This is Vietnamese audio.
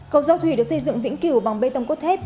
cầu giao thủy được xây dựng vĩnh cửu bằng bê tông cốt thép